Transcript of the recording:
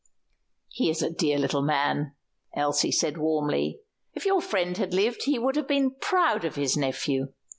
"He is a dear little man," Elsie said warmly. "If your friend had lived he would have been proud of his nephew."